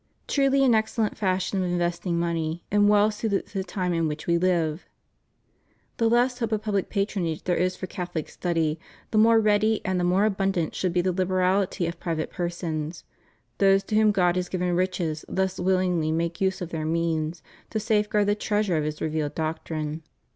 Truly an excellent fashion of investing money, and well suited to the times in which we live! The less hope of pubhc pat ronage there is for Cathohc study, the more ready and the more abundant should be the liberality of private persons — those to whom God has given riches thus willingly making use of their means to safeguard the treasure of His revealed doctrine.